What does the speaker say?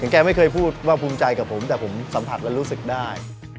แกไม่เคยพูดว่าภูมิใจกับผมแต่ผมสัมผัสและรู้สึกได้